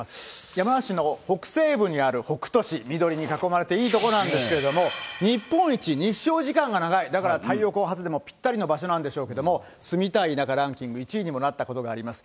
山梨の北西部にある北杜市、緑に囲まれていい所なんですけれども、日本一、日照時間が長い、だから太陽光発電にもぴったりな場所なんでしょうけれども、住みたい田舎ランキング１位にもなったことがあります。